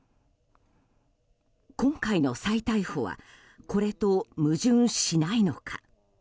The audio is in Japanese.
今回の再逮捕はこれと矛盾しないのか。